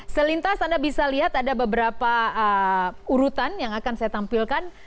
selintas anda bisa lihat ada beberapa urutan yang akan saya tampilkan